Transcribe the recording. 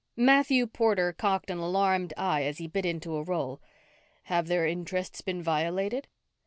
Matthew Porter cocked an alarmed eye as he bit into a roll. "Have their interests been violated?"